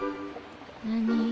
何？